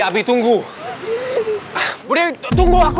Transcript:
aku punya anak